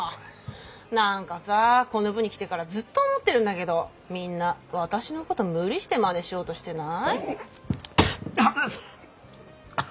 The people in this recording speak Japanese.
何かさこの部に来てからずっと思ってるんだけどみんな私のこと無理してまねしようとしてない？あっ。